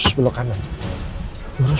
astagfirullahaladzim baterainya habis